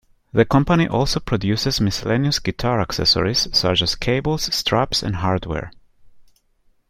The company also produces miscellaneous guitar accessories, such as cables, straps and hardware.